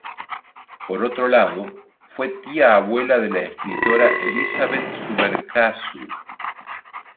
Por otro lado, fue tía abuela de la escritora Elizabeth Subercaseaux.